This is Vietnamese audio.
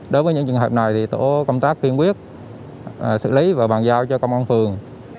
đối với những trường hợp này thì tổ công tác kiên quyết xử lý và bàn giao cho công an phường